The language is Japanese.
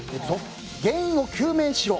原因を究明しろ。